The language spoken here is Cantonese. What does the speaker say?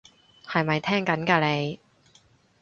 係咪聽緊㗎你？